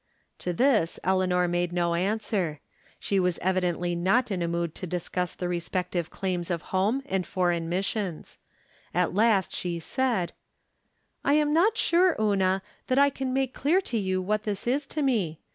To this Eleanor made no answer. She was evidently not in a mood to discuss the respective claims of home and foreign missions. At last she said :" I am not sure, Una, that I can make clear to you what this is to me.